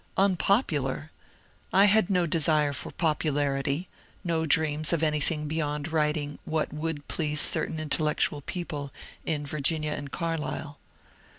Unpopular I I had no desire for popularity, no dreams of anything beyond writing what would please certain intellectual people in Virginia and Carlisle.